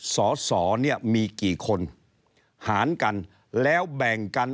สอสอเนี่ยมีกี่คนหารกันแล้วแบ่งกัน